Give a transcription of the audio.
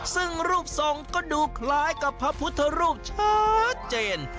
ซึ่งรูปทรงก็ดูคล้ายกับพระพุทธรูปชัดเจน